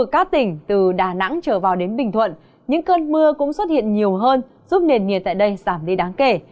các tỉnh từ đà nẵng trở vào đến bình thuận những cơn mưa cũng xuất hiện nhiều hơn giúp nền nhiệt tại đây giảm đi đáng kể